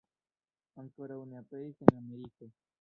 Ankoraŭ ne aperis en Ameriko.